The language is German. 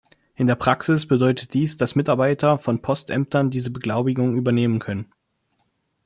In der Praxis bedeutet dies, dass Mitarbeiter von Postämtern diese Beglaubigungen übernehmen können.